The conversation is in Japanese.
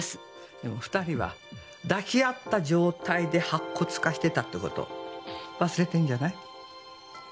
でも２人は抱き合った状態で白骨化してたって事忘れてるんじゃない？